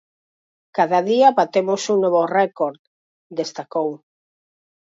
Cada día batemos un novo récord, destacou.